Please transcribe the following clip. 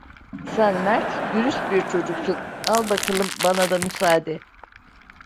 Sen mert, dürüst bir çocuksun… Al bakalım. Bana da müsaade.